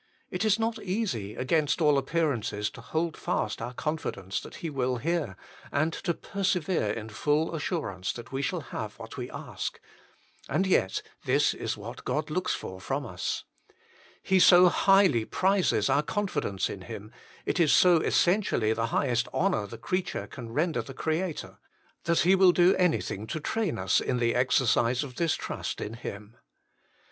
It is not easy, against all appearances, to hold fast our confidence that He will hear, and to persevere in full assurance that we shall have what we ask. And yet this is what God looks for from us. He so highly prizes our confidence in Him, it is so essentially the highest honour the creature can render the Creator, that He will do anything to train us in the exercise of this trust in Him.